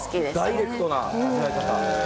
ダイレクトな味わい方。